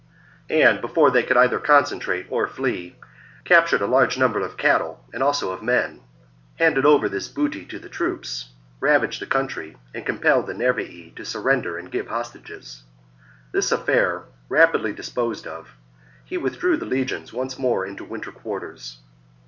and, before they could either concentrate or flee, captured a large number of cattle and also of men, handed over this booty to the troops, ravaged the country, and compelled the Nervii to surrender and give hostages. This affair rapidly disposed of, he withdrew the legions once more into winter quarters.